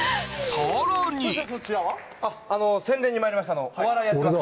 さらに宣伝にまいりましたお笑いやってます